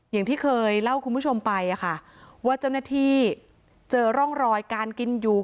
อย่างที่เคยเล่าคุณผู้ชมไปค่ะว่าเจ้าหน้าที่เจอร่องรอยการกินอยู่